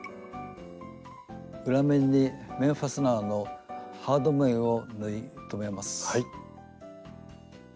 裏面に面ファスナーのハード面を縫い留めます。